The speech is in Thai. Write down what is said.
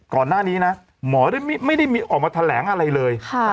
ก่อนหน้านี้นะหมอไม่ได้มีออกมาแถลงอะไรเลย